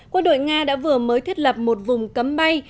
quân đội nga đã vừa mới thiết lập một vùng cấm bay